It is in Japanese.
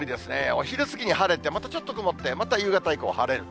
お昼過ぎに晴れて、またちょっと曇って、また夕方以降、晴れる。